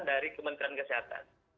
dari kementerian kesehatan